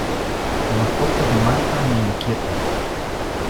La foto de Marta me inquieta.